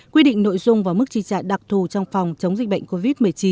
quy định nội dung vào mức tri trạng đặc thù trong phòng chống dịch bệnh covid một mươi chín